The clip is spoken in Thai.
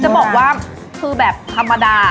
จะบอกว่าคือแบบธรรมดา